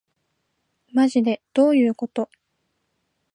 まじでどういうこと